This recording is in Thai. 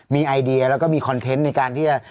มีไอเดียแล้วก็มีคอนเทนต์ในการที่จะ